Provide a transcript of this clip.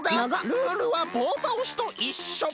ルールはぼうたおしといっしょだ！